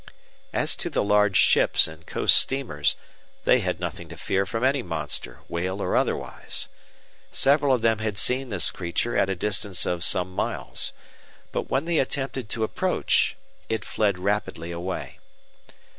As to the large ships and coast steamers, they had nothing to fear from any monster, whale or otherwise. Several of them had seen this creature at a distance of some miles. But when they attempted to approach, it fled rapidly away.